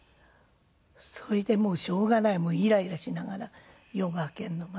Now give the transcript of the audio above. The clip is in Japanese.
それでもうしょうがないイライラしながら夜が明けるのを待って。